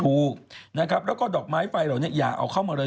ถูกนะครับแล้วก็ดอกไม้ไฟเหล่านี้อย่าเอาเข้ามาเลย